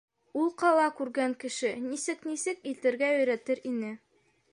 Ул ҡала күргән кеше, нисек-нисек итергә өйрәтер ине.